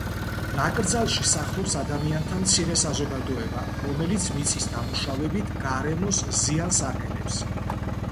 ნაკრძალში სახლობს ადამიანთა მცირე საზოგადოება, რომელიც მიწის დამუშავებით გარემოს ზიანს აყენებს.